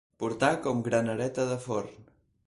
Portar com granereta de forn.